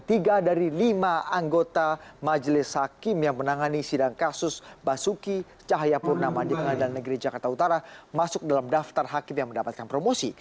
tiga dari lima anggota majelis hakim yang menangani sidang kasus basuki cahayapurnama di pengadilan negeri jakarta utara masuk dalam daftar hakim yang mendapatkan promosi